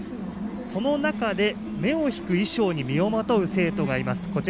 その中で目を引く衣装に身をまとう生徒がいます。